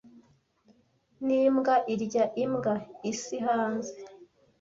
Nimbwa irya imbwa isi hanze.